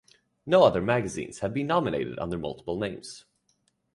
No other magazines have been nominated under multiple names.